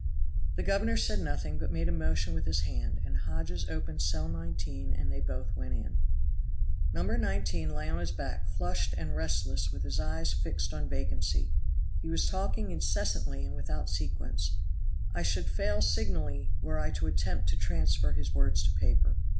The governor said nothing, but made a motion with his hand, and Hodges opened cell 19 and they both went in. No. 19 lay on his back flushed and restless with his eyes fixed on vacancy. He was talking incessantly and without sequence. I should fail signally were I to attempt to transfer his words to paper.